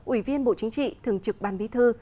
ủy viên bộ chính trị thường trực ban bí thư